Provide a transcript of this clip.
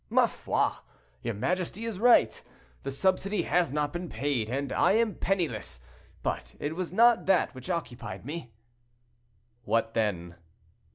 "Ma foi! your majesty is right; the subsidy has not been paid, and I am penniless. But it was not that which occupied me." "What then?"